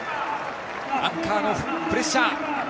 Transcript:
アンカーのプレッシャー。